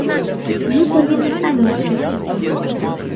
Мы павінны самі ачысціцца.